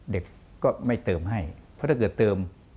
เด็กก็ไม่เติมให้เพราะถ้าเกิดเติม